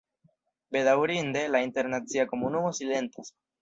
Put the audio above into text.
Bedaŭrinde, la internacia komunumo silentas.